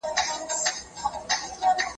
د مطالعې عادت له ماسومتوبه پیل کیږي.